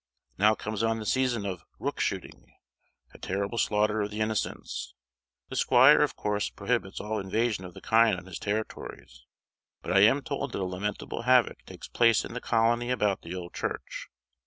Now comes on the season of "rook shooting:" a terrible slaughter of the innocents. The squire, of course, prohibits all invasion of the kind on his territories; but I am told that a lamentable havoc takes place in the colony about the old church.